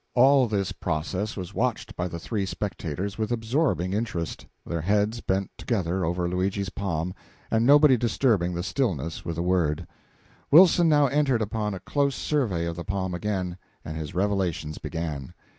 All this process was watched by the three spectators with absorbing interest, their heads bent together over Luigi's palm, and nobody disturbing the stillness with a word. Wilson now entered upon a close survey of the palm again, and his revelations began.